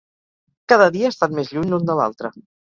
Cada dia estan més lluny l'un de l'altre.